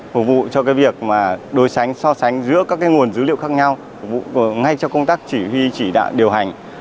phục vụ cho cái việc mà đối sánh so sánh giữa các cái nguồn dữ liệu khác nhau ngay cho công tác chỉ huy chỉ đạo điều hành